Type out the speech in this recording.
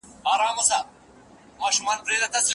د نفقې لپاره کافي اندازه کومه ده؟